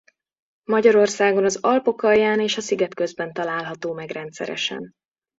Magyarországon az Alpokalján és a Szigetközben található meg rendszeresen.